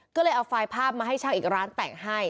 ก็เลยเอาไฟล์ภาพมาให้ช่างอีกร้านแต่งให้